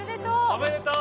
おめでとう！